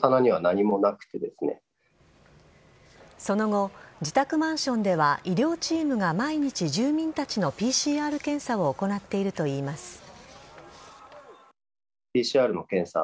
その後、自宅マンションでは医療チームが毎日住民たちのＰＣＲ検査を行っているといいます。